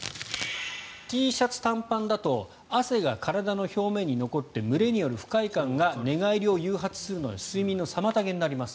Ｔシャツ、短パンだと汗が体の表面に残って蒸れによる不快感が寝返りを誘発するなど睡眠の妨げになります。